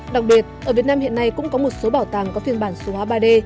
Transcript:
đặc biệt ở việt nam hiện nay cũng có một số bảo tàng có phiên bản số hóa ba d